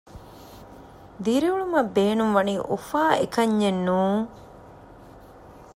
ދިރިއުޅުމަށް ބޭނުން ވަނީ އުފާ އެކަންޏެއް ނޫން